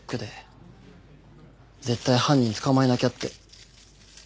絶対犯人捕まえなきゃって。